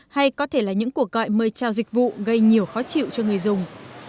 hay có thể là những cuộc gọi mời trao dịch vụ gây nhiều khó chịu cho người dùng